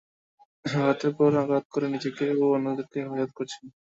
আঘাতের পর আঘাত করে নিজেকে ও অন্যদেরকে হেফাজত করছেন।